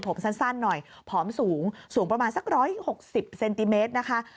ผมสั้นหน่อยผอมสูงสูงประมาณสัก๑๖๐เซนติเมตรนะคะ